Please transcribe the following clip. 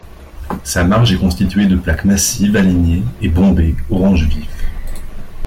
Sa marge est constituée de plaques massives alignées et bombées, orange vif.